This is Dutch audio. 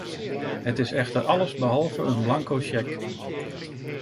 Het is echter alles behalve een blanco cheque.